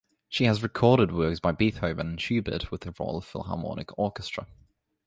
She has recorded works by Beethoven and Schubert with the Royal Philharmonic Orchestra.